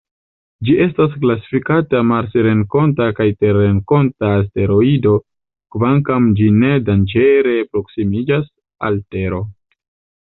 Ĝi estas klasifikata marsrenkonta kaj terrenkonta asteroido kvankam ĝi ne danĝere proksimiĝas al Tero.